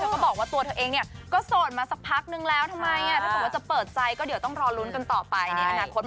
มันคิดว่ามันจะเปิดใจอย่างนี้ไหม